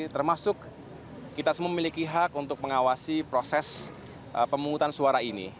termasuk kita semua memiliki hak untuk mengawasi proses pemungutan suara ini